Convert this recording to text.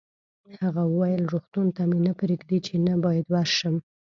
هغه وویل: روغتون ته مې نه پرېږدي، چې نه باید ورشم.